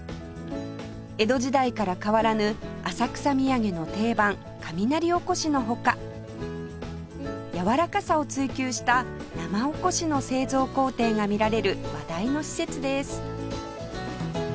江戸時代から変わらぬ浅草土産の定番雷おこしの他やわらかさを追求した生おこしの製造工程が見られる話題の施設です